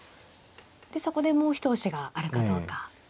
でそこでもう一押しがあるかどうか。